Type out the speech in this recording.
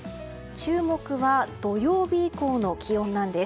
注目は土曜日以降の気温なんです。